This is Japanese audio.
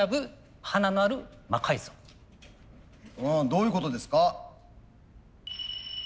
どういうことですか？